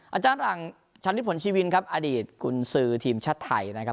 อาจารย์หลังชันที่ผลชีวินครับอดีตกุญสือทีมชาติไทยนะครับ